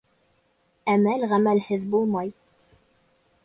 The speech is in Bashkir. Әмәл ғәмәлһеҙ булмай.